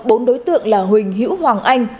bốn đối tượng là huỳnh hữu hoàng anh